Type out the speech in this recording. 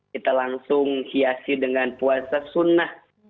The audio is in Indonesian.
kita langsung hiasi dengan puasa sunnah